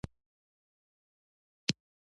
د برېتانیا پارلمان او کورتس د نظارت حق درلود.